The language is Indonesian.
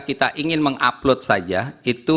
kita ingin mengupload saja itu